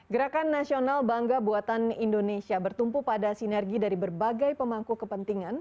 gerakan nasional bangga buatan indonesia bertumpu pada sinergi dari berbagai pemangku kepentingan